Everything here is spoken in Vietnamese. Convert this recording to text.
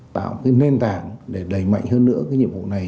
tạo nền tảng để đẩy mạnh hơn nữa nhiệm vụ này